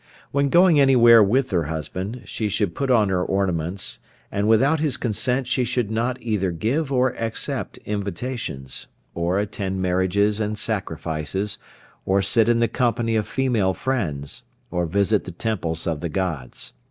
When going anywhere with her husband, she should put on her ornaments, and without his consent she should not either give or accept invitations, or attend marriages and sacrifices, or sit in the company of female friends, or visit the temples of the Gods.